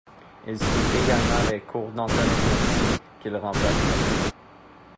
Il suit également les cours d'Antonin Mercié qu'il remplacera.